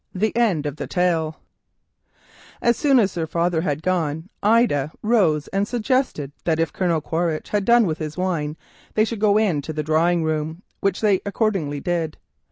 THE END OF THE TALE As soon as her father had gone, Ida rose and suggested that if Colonel Quaritch had done his wine they should go into the drawing room, which they accordingly did.